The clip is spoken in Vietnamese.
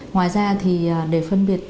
ngoài ra thì để phân biệt